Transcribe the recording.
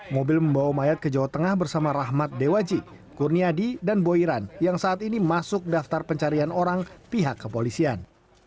mobil membawa mayat ke jawa tengah bersama rahmat dewaji kurniadi dan boyran yang saat ini masuk daftar pencarian orang pihak kepolisian